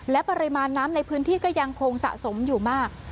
และปริมาณน้ำในพื้นที่ก็ยังคงสะสมอยู่มาก